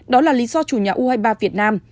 đó là lý do chủ nhà u hai mươi ba việt nam